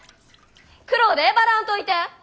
苦労でえばらんといて！